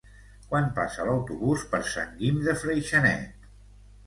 Quan passa l'autobús per Sant Guim de Freixenet?